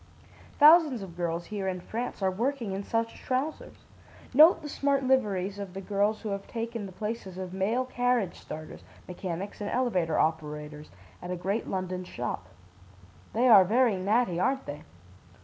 Thousands of girls here in France are working in such trousers. Note the smart liveries of the girls who have taken the places of male carriage starters, mechanics and elevator operators, at a great London shop. They are very natty, aren't they?